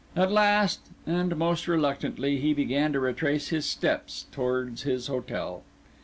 At last, and most reluctantly, he began to retrace his steps towards his hotel.